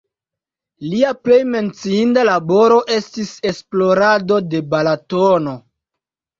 Lia plej menciinda laboro estis esplorado de Balatono.